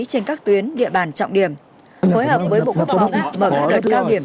trên các tuyến địa bàn trọng điểm hối hợp với bộ quốc phòng mở các đoạn cao điểm